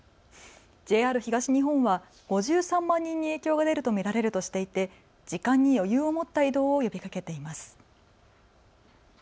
ＪＲ東日本は５３万人に影響が出ると見られるとしていて時間に余裕を持った移動を呼びかけています。